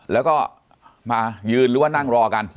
แล้วก็มายืนหรือว่านั่งรอกัน